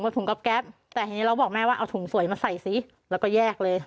ถุงกับแก๊ปแต่ทีนี้เราบอกแม่ว่าเอาถุงสวยมาใส่ซิแล้วก็แยกเลย